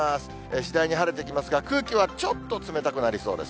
次第に晴れてきますが、空気はちょっと冷たくなりそうです。